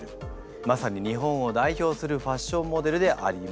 まさに日本を代表するファッションモデルであります。